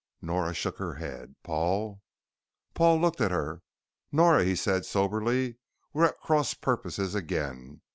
Nora shook her head. "Paul " Paul looked at her. "Nora," he said soberly, "we're at cross purposes again.